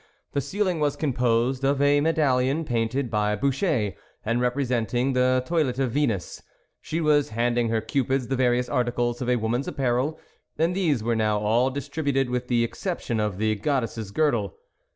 The ceiling was composed of a medallion painted by Boucher, and representing the toilet of Venus ; she was handing her cupids the various articles of a woman's apparel, and these were now all dis tributed, with the exception of the god dess's girdle.